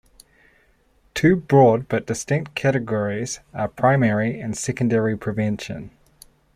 Two broad but distinct categories are primary and secondary prevention.